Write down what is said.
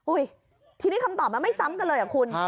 อุ้ยที่นี่คำตอบมันไม่ซ้ำกับเลยหรอคุณ